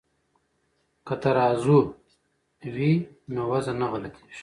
که ترازوی وي نو وزن نه غلطیږي.